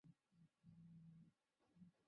আমার চেইনে, প্লিজ।